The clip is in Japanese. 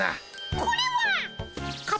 これはっ！